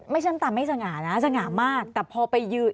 เช่นน้ำตาไม่สง่านะสง่ามากแต่พอไปยืน